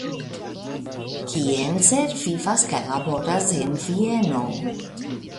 Kienzer vivas kaj laboras en Vieno.